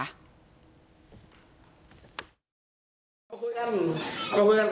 เอาไว้มาคุยกันครับเอามิวผมหนึ่ง